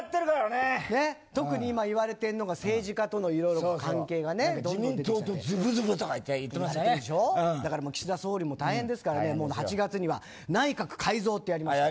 特に今言われてるのが政治家とのいろいろ自民党と岸田総理も大変ですから８月には内閣改造やりました。